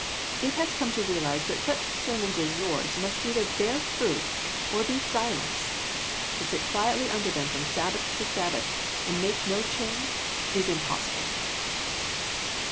It has come to realize that such sermons as yours must either bear fruit, or be silenced. To sit quietly under them from Sabbath to Sabbath, and make no change, is impossible."